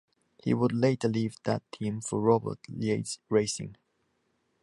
He would later leave that team for Robert Yates Racing.